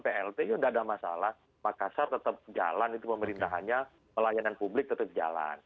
plt itu nggak ada masalah makassar tetap berjalan itu pemerintahannya pelayanan publik tetap berjalan